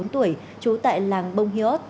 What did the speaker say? bốn tuổi trú tại làng bông hiốt